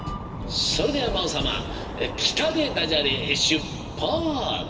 それではまおさま「きた」でダジャレしゅっぱつ！